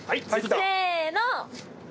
せの！